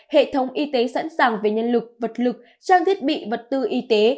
hệ thống y tế sẵn sàng về nhân lực vật lực trang thiết bị vật tư y tế